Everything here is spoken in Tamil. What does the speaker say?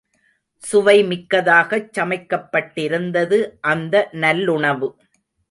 சுவைமிக்கதாகச் சமைக்கப் பட்டிருந்தது அந்த நல்லுணவு.